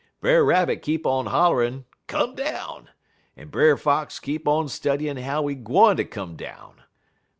"Brer Rabbit keep on hollerin', 'Come down!' en Brer Fox keep on studyin' how he gwine ter come down.